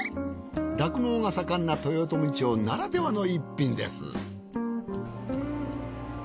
酪農が盛んな豊富町ならではの逸品です。